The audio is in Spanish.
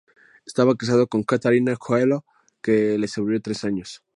Estaba casado con Catarina Coelho, que le sobrevivió tres años.